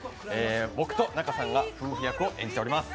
僕と仲さんが夫婦役を演じております。